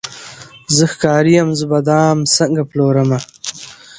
زه ښکاري یم زه به دام څنګه پلورمه